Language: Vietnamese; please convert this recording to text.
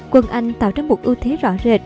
quân anh tạo ra một ưu thế rõ rệt